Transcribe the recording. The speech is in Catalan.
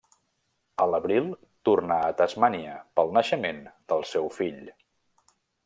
A l'abril tornà a Tasmània pel naixement del seu fill.